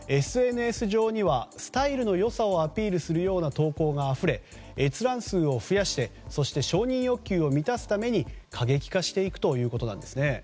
ＳＮＳ場にはスタイルの良さをアピールする投稿があふれ、閲覧数を増やし承認欲求を満たそうと過激化していくということなんですね。